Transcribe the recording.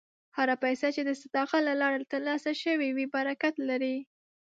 هره پیسه چې د صداقت له لارې ترلاسه شوې وي، برکت لري.